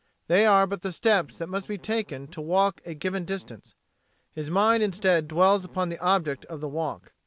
They are but the steps that must be taken to walk a given distance. His mind instead dwells upon the object of the walk.